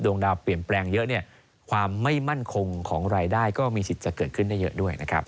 ดาวเปลี่ยนแปลงเยอะเนี่ยความไม่มั่นคงของรายได้ก็มีสิทธิ์จะเกิดขึ้นได้เยอะด้วยนะครับ